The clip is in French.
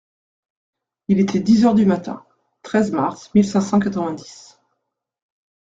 Il était dix heures du matin (treize mars mille cinq cent quatre-vingt-dix).